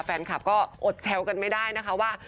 แฟนคลับก็อดแซวกันไม่ได้นะคะว่า